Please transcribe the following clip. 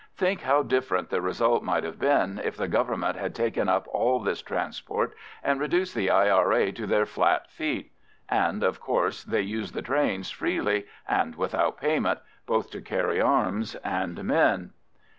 Think how different the result might have been if the Government had taken up all this transport and reduced the I.R.A. to their flat feet. And, of course, they used the trains freely, and without payment, both to carry arms and men.